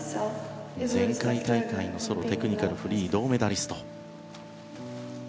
前回大会のソロテクニカルフリー銅メダリスト。